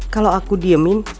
kalau aku diemin